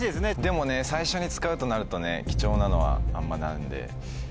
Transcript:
でもね最初に使うとなると貴重なのはあんま。